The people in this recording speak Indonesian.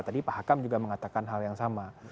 tadi pak hakam juga mengatakan hal yang sama